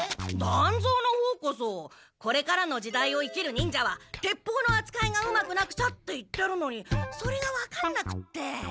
団蔵のほうこそこれからの時代を生きる忍者は鉄砲のあつかいがうまくなくちゃって言ってるのにそれがわかんなくって。